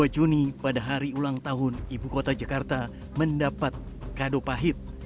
dua puluh dua juni pada hari ulang tahun ibu kota jakarta mendapat kado pahit